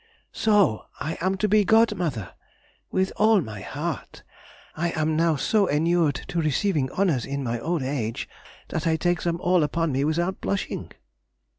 So I am to be godmother! with all my heart! I am now so enured to receiving honours in my old age, that I take them all upon me without blushing....